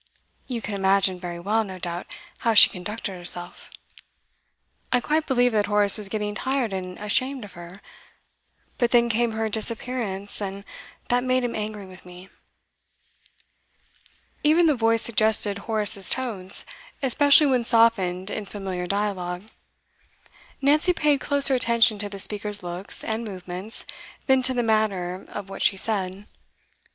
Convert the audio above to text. You can imagine very well, no doubt, how she conducted herself. I quite believe that Horace was getting tired and ashamed of her, but then came her disappearance, and that made him angry with me.' Even the voice suggested Horace's tones, especially when softened in familiar dialogue. Nancy paid closer attention to the speaker's looks and movements than to the matter of what she said.